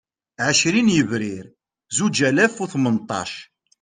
Ɛecrin Yebrir Zuǧ alas u Tmenṭac